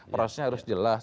prosesnya harus jelas